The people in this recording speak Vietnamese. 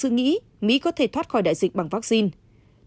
tôi nghĩ mỹ có thể thoát khỏi đại dịch bằng vaccine